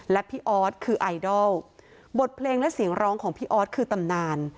และพี่ออสคือไอดอลบทเพลงและเสียงร้องของพี่ออสคือตำนาน